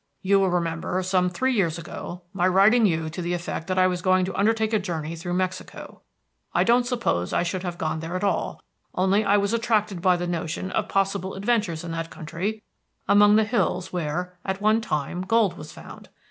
You will remember, some three years ago, my writing you to the effect that I was going to undertake a journey through Mexico. I don't suppose I should have gone there at all, only I was attracted by the notion of possible adventures in that country, among the hills where, at one time, gold was found.